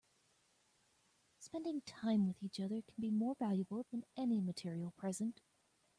Spending time with each other can be more valuable than any material present.